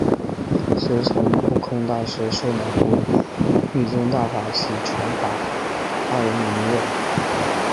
随从不空大师受两部密宗大法及传法阿阇黎位。